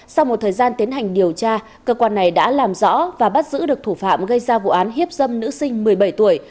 sau một thời gian tiến hành điều tra cơ quan này đã làm rõ và bắt giữ được thủ phạm gây ra vụ án hiếp dâm nữ sinh một mươi bảy tuổi